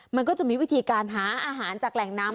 มันก็จะมีวิธีการหาอาหารจากแหล่งน้ำ